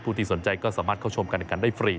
ผู้ที่สนใจก็สามารถเข้าชมกันในการได้ฟรี